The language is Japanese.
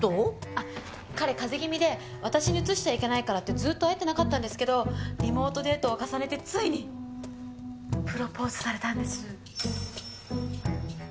あっ彼風邪気味で私にうつしちゃいけないからってずっと会えてなかったんですけどリモートデートを重ねてついにプロポーズされたんです。